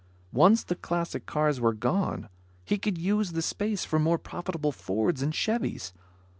Once the classic cars were gone, he could use the space for more profitable Fords and Chevys.